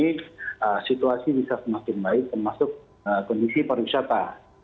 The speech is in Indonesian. jadi situasi bisa semakin baik termasuk kondisi para wisata